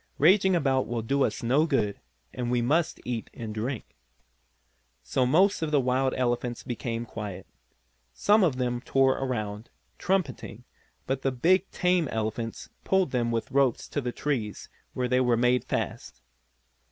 Raging about will do us no good, and we must eat and drink." So most of the wild elephants became quiet. Some of them still tore around, trumpeting, but the big tame elephants pulled them with ropes to the trees where they were made fast.